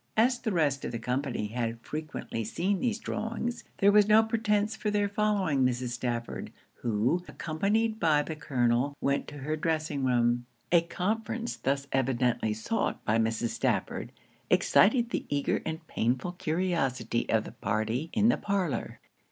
As the rest of the company had frequently seen these drawings, there was no pretence for their following Mrs. Stafford; who, accompanied by the Colonel, went to her dressing room. A conference thus evidently sought by Mrs. Stafford, excited the eager and painful curiosity of the party in the parlour.